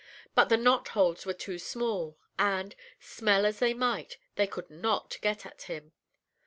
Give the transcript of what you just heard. But the knotholes were too small, and, smell as they might, they could not get at him.